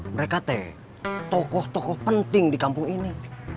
mereka teh tokoh tokoh penting di kampung ini